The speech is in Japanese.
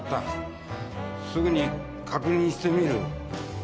すぐに確認してみる。